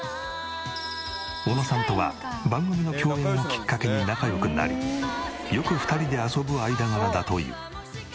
小野さんとは番組の共演をきっかけに仲良くなりよく２人で遊ぶ間柄だという。